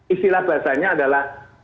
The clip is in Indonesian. istilah bahasanya adalah